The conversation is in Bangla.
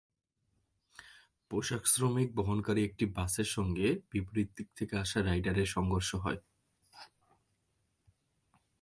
পোশাকশ্রমিক বহনকারী একটি বাসের সঙ্গে বিপরীত দিক থেকে আসা রাইডারের সংঘর্ষ হয়।